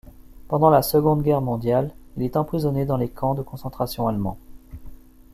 Pendant la Seconde Guerre mondiale, il est emprisonné dans les camps de concentration allemands.